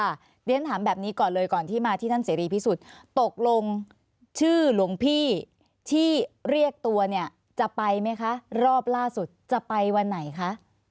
เรียนถามแบบนี้ก่อนเลยก่อนที่มาที่ท่านเสรีพิสุทธิ์ตกลงชื่อหลวงพี่ที่เรียกตัวเนี่ยจะไปไหมคะรอบล่าสุดจะไปวันไหนคะ